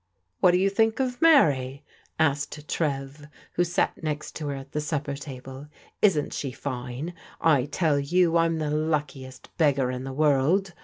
" What do you think of Mary?'* asked Trev, who sat next to her at the supper table. "Isn't she fine? I tell you I'm the luckiest beggar in the world.